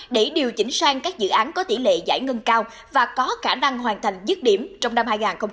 để điều chỉnh sang các dự án có tỷ lệ giải ngân cao và có khả năng hoàn thành dứt điểm trong năm hai nghìn hai mươi